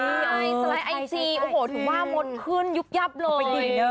สไลด์ไอจีถือว่ามดขึ้นยุคยับเลย